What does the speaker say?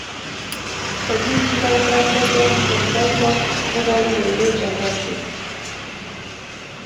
سیمونز هیله وکړه، ته به که خدای پاک وغواړي یو لوی جنرال شې.